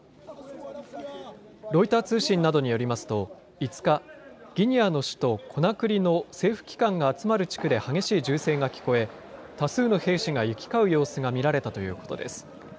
ロイター通信などによりますと５日、ギニアの首都コナクリの政府機関が集まる地区で激しい銃声が聞こえ、多数の兵士が行き交う様子が見られたということです。